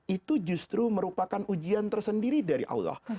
itu justru merupakan ujian tersendiri dari allah